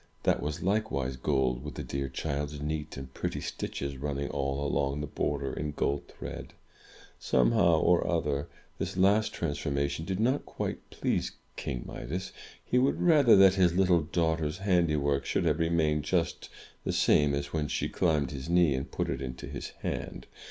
That was likewise gold, with the dear child's neat and pretty stitches running all along the border, in gold thread! Somehow or other, this last trans formation did not quite please King Midas. He would rather that his little daughter's handiwork should have remained just the same as when she climbed his knee and put it into his hand.